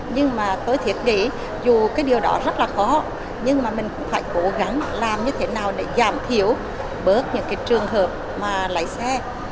nhưng mà tôi thiệt nghĩ dù cái điều đó rất là khó nhưng mà mình cũng phải cố gắng làm như thế nào để giảm thiểu bớt những cái trường hợp mà lái xe